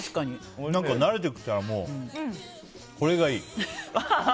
慣れてきたらもう、これがいい。